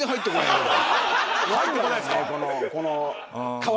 入ってこないですか？